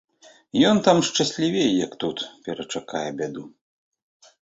Ён там шчаслівей, як тут, перачакае бяду.